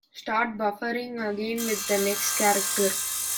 Start buffering again with the next character.